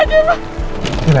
tungkra andin ya